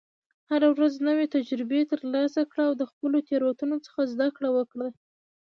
هره ورځ نوې تجربې ترلاسه کړه، او د خپلو تېروتنو څخه زده کړه وکړه.